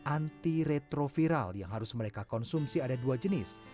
anti retroviral yang harus mereka konsumsi ada dua jenis